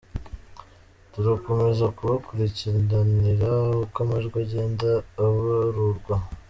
Turakomeza kubakurikiranira uko amajwi agenda abarurwa.